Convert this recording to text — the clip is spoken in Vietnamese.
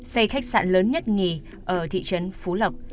xây khách sạn lớn nhất nghỉ ở thị trấn phú lộc